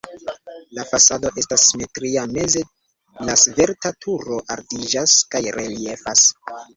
La fasado estas simetria, meze la svelta turo altiĝas kaj reliefas.